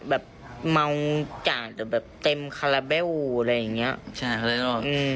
แบบเมาจ่าแต่แบบเต็มคาราเบลอะไรอย่างเงี้ยใช่เขาเลยเรียกว่าอืม